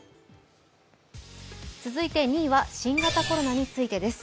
続いて、２位は新型コロナについてです。